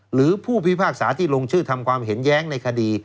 หรือผู้พิพากษาที่ลงชื่อทำความเห็นแย้งในคดี